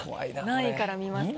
何位から見ますか？